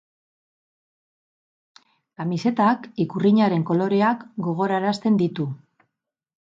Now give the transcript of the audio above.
Kamisetak ikurrinaren koloreak gogoraratzen ditu.